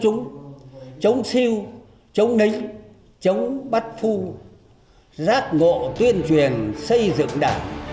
chúng chống siêu chống đánh chống bắt phu rác ngộ tuyên truyền xây dựng đảng